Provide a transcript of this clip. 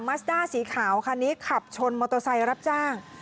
ัสด้าสีขาวคันนี้ขับชนมอเตอร์ไซค์รับจ้าง